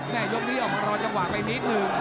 แม่ยกนี้ออกมารอจังหวะไปที่คือ